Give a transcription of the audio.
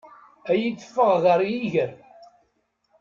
Ad iyi-teffeɣ ɣer yiger.